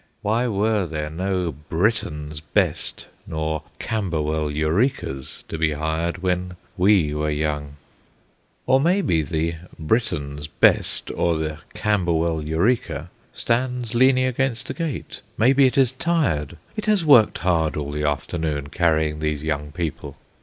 Why were there no "Britain's Best" nor "Camberwell Eurekas" to be hired when we were young? Or maybe the "Britain's Best" or the "Camberwell Eureka" stands leaning against a gate; maybe it is tired. It has worked hard all the afternoon, carrying these young people.